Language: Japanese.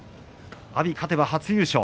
阿炎勝てば初優勝。